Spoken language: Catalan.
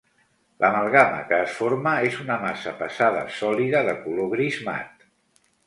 L'amalgama que es forma és una massa pesada sòlida de color gris mat.